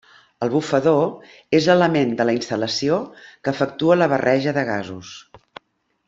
El bufador és l'element de la instal·lació que efectua la barreja de gasos.